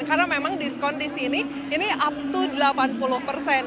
karena memang diskon di sini ini up to delapan puluh persen